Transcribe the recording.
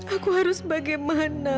aku harus bagaimana